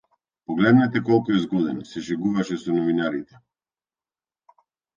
Погледнете колку е згоден, се шегуваше со новинарите.